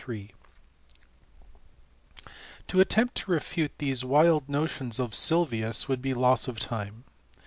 . To attempt to refute these wild notions of Sylvius would be loss of time.